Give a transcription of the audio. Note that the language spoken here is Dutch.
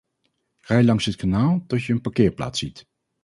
Rij langs het kanaal tot je een parkeerplaats ziet.